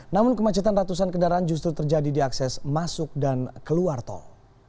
namun kemacetan ratusan kendaraan justru terjadi di akses masuk dan keluar tol